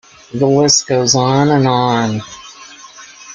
The list goes on and on.